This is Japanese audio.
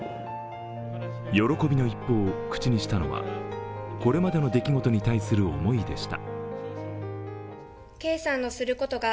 喜びの一方、口にしたのはこれまでの出来事に対する思いでした。